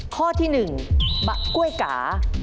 ข้อที่๑กล้วยกา